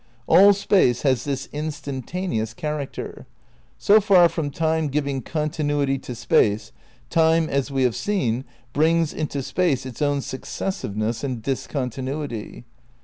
All Space has this instantaneous character. So far from Time giving continuity to Space, Time, as we have seen, brings into Space its own successiveness and discontinuity.